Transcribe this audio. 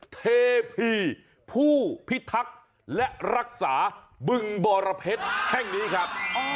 เทพีผู้พิทักษ์และรักษาบึงบรเพชรแห่งนี้ครับ